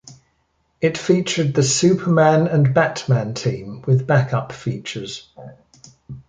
It featured the Superman and Batman team with back-up features.